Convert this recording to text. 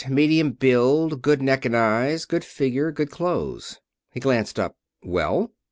Medium build. Good neck and eyes. Good figure. Good clothes.'" He glanced up. "Well?"